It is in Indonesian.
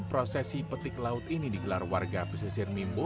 prosesi petik laut ini digelar warga pesisir mimbo